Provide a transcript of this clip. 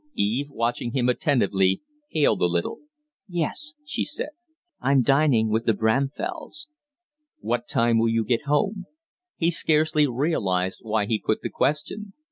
Eve, watching him attentively, paled a little. "Yes," she said, "I'm dining with the Bramfells." "What time will you get home?" He scarcely realized why he put the question.